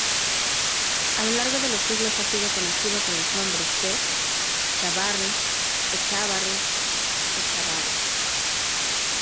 A lo largo de los siglos ha sido conocido con los nombres de "Chavarri",Echábarri, Echavarri.